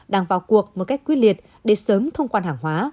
đang vào cuộc một cách quyết liệt để sớm thông quan hàng hóa